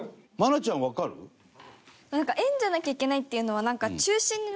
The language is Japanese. なんか円じゃなきゃいけないっていうのは。